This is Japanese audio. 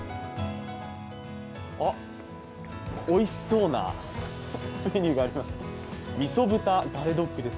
あ、おいしそうなメニューがあります。